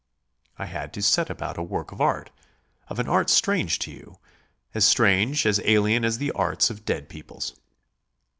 I had to set about a work of art, of an art strange to you; as strange, as alien as the arts of dead peoples.